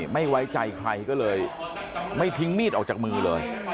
ไม่ไว้ใจใครก็เลยไม่ทิ้งมีดออกจากมือเลย